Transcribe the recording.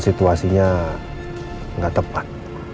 situasinya gak tepat